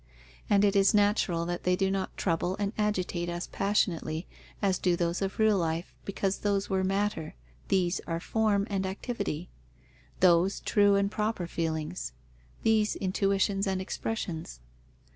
And it is natural that they do not trouble and agitate us passionately, as do those of real life, because those were matter, these are form and activity; those true and proper feelings, these intuitions and expressions.